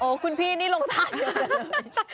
คุณพี่นี่ลงทานเยอะ